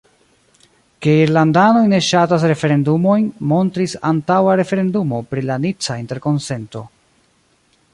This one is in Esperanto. Ke irlandanoj ne ŝatas referendumojn, montris antaŭa referendumo pri la nica interkonsento.